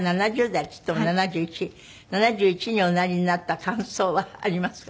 ７１におなりになった感想はありますか？